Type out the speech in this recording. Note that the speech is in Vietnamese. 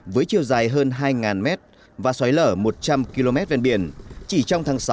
với chiều dài hơn hai mét và xoáy lở một trăm linh km ven biển chỉ trong tháng sáu